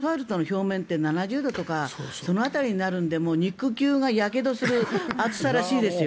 やっぱりアスファルトの表面って７０度とかその辺りになるので肉球がやけどする熱さらしいですよ。